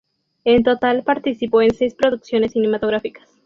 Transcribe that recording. En total participó en seis producciones cinematográficas.